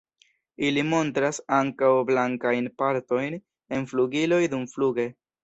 Ili montras ankaŭ blankajn partojn en flugiloj dumfluge.